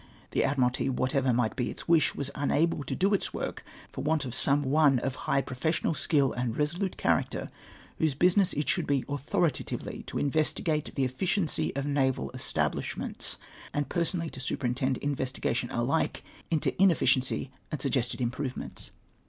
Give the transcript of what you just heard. The Admiralty, whatever might be its wish, Avas unable to do its work for want of some one of high professional sldll and resolute cha racter, whose business it should be authoritatively to investigate the efficiency of naval establishments, and personally to superintend investigation alike into in efficiency and suggested improvements.